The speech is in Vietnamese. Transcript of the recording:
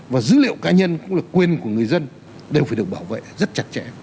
và dữ liệu cá nhân cũng là quyền của người dân đều phải được bảo vệ rất chặt chẽ